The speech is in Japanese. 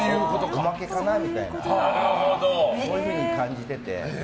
おまけかなみたいなそういうふうに感じてて。